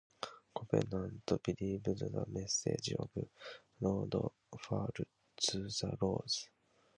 Covenant delivers the message of Lord Foul to the Lords.